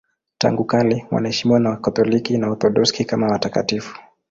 Tangu kale wanaheshimiwa na Wakatoliki na Waorthodoksi kama watakatifu.